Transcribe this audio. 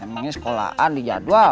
emangnya sekolahan di jadwal